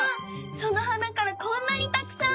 その花からこんなにたくさん？